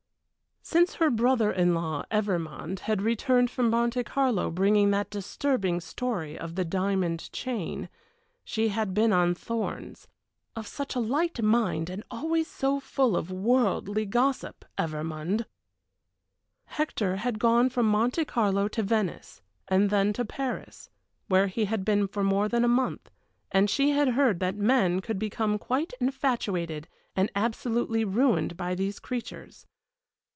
Since her brother in law Evermond had returned from Monte Carlo bringing that disturbing story of the diamond chain, she had been on thorns of such a light mind and always so full of worldly gossip, Evermond! Hector had gone from Monte Carlo to Venice, and then to Paris, where he had been for more than a month, and she had heard that men could become quite infatuated and absolutely ruined by these creatures.